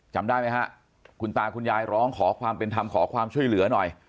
จำได้ไหมฮะคุณตาคุณยายร้องขอความเป็นธรรมขอความช่วยเหลือหน่อย